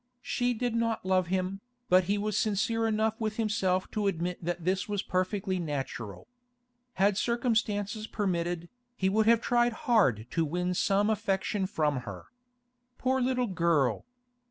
She did not love him, but he was sincere enough with himself to admit that this was perfectly natural. Had circumstances permitted, he would have tried hard to win some affection from her. Poor little girl!